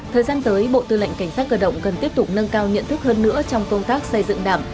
thời gian tới bộ tư lệnh cảnh sát cơ động cần tiếp tục nâng cao nhận thức hơn nữa trong công tác xây dựng đảng